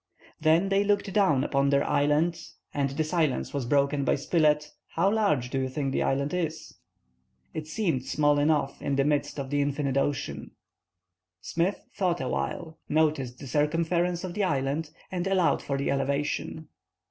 Then they looked down upon their island, and the silence was broken by Spilett:— "How large do you think this island is?" It seemed small enough in the midst of the infinite ocean. Smith thought awhile, noticed the circumference of the island, and allowed for the elevation.